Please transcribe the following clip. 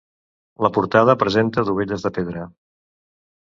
La portada presenta dovelles de pedra.